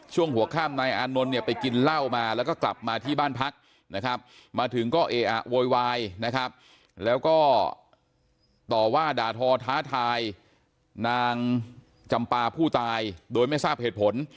ช่วงหัวข้ามนายอานนท์เนี่ยไปกินเหล้ามาแล้วก็กลับมาที่บ้านพักนะครับมาถึงก็เออะโวยวายนะครับแล้วก็ต่อว่าด่าทอท้าทายนางจำปาผู้ตายโดยไม่ทราบเหตุผล